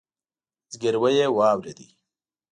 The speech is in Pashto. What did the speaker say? ځګيروی يې واورېد.